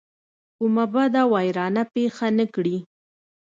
کومه بده ویرانه پېښه نه کړي.